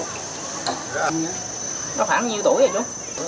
nó khoảng nhiêu tuổi rồi chú